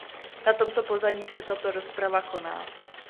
Na tomto pozadí se tato rozprava koná.